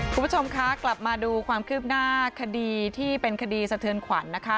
คุณผู้ชมคะกลับมาดูความคืบหน้าคดีที่เป็นคดีสะเทือนขวัญนะคะ